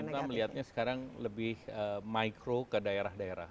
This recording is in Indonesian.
pemerintah melihatnya sekarang lebih mikro ke daerah daerah